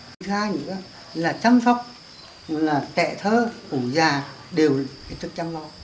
thứ hai nữa là chăm sóc trẻ thơ cổ già đều được chăm lo